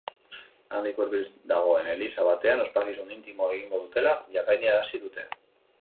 Handik hurbil dagoen eliza batean ospakizun intimoa egingo dutela jakinarazi dute.